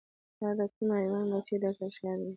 دا د کوم حیوان بچی درته ښکاریږي